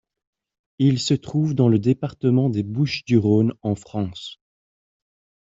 Il se trouve dans le département des Bouches-du-Rhône en France.